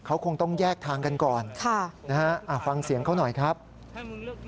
เขาคงต้องแยกทางกันก่อนค่ะนะฮะอ่าฟังเสียงเขาหน่อยครับอืม